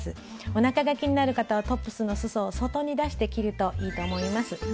おなかが気になる方はトップスのすそを外に出して着るといいと思います。